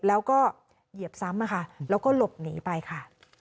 แล้วก็เยียบซ้ำเหล่ะค่ะเราก็หลบหนีไปค่ะ